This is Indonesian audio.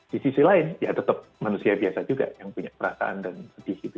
di sisi lain ya tetap manusia biasa juga yang punya perasaan dan sedih gitu